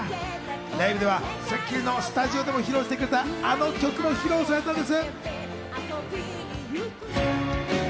ライブでは『スッキリ』のスタジオでも披露してくれたあの曲も披露されたんです。